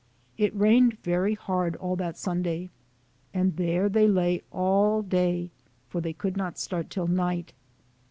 It rained very hard all that Sunday, and there they lay all day, for they could not start till night.